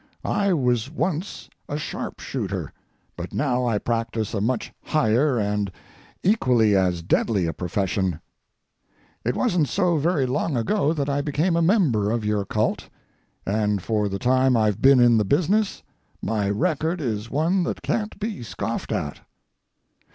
I was once a sharpshooter, but now I practise a much higher and equally as deadly a profession. It wasn't so very long ago that I became a member of your cult, and for the time I've been in the business my record is one that can't be scoffed at.